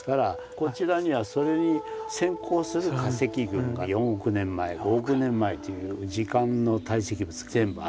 こちらにはそれに先行する化石群が４億年前５億年前という時間の堆積物が全部ある。